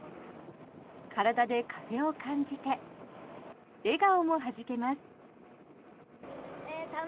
体で風を感じて笑顔もはじけます。